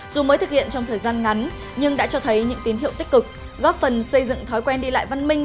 dù mới thực hiện trong thời gian ngắn nhưng đã cho thấy những tín hiệu tích cực góp phần xây dựng thói quen đi lại văn minh